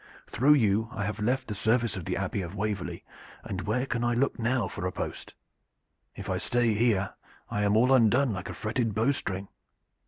Through you I have left the service of the Abbey of Waverley, and where can I look now for a post? If I stay here I am all undone like a fretted bow string."